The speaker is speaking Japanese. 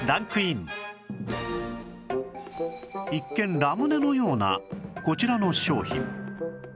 一見ラムネのようなこちらの商品